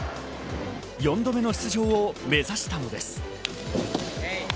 ４度目の出場を目指したのです。